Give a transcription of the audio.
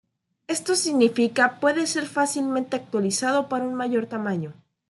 Esto significa puede ser fácilmente actualizado para un tamaño mayor.